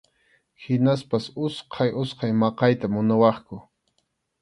Hinaspas utqay utqay maqayta munawaqku.